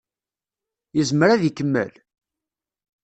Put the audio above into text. Yezmer ad ikemmel?